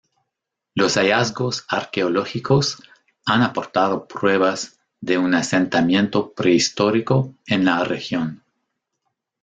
Los hallazgos arqueológicos han aportado pruebas de un asentamiento prehistórico en la región.